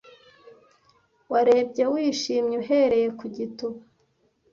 warebye wishimye uhereye ku gituba